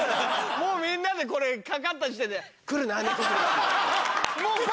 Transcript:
もうみんなでこれかかった時点で「来るな猫ひろし」。